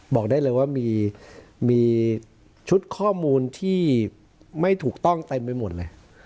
บอกได้เลยว่ามีชุดข้อมูลที่ไม่ถูกต้องเต็มไปหมดเลย